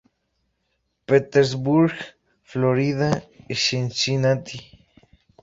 Petersburg, Florida y Cincinnati.